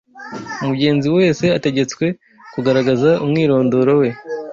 Umugenzi wese ategetswe kugaragaza umwirondoro we